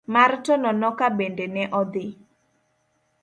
mar Tononoka bende ne odhi.